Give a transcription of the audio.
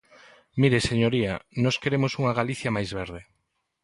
Mire, señoría, nós queremos unha Galicia máis verde.